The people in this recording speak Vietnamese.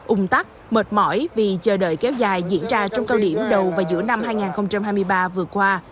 ung tắc mệt mỏi vì chờ đợi kéo dài diễn ra trong cao điểm đầu và giữa năm hai nghìn hai mươi ba vừa qua